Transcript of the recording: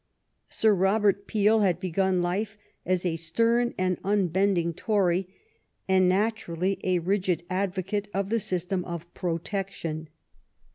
Sir Robert Peel had begun life as a stern and unbending Tory, and naturally a rigid advocate of the system of protection.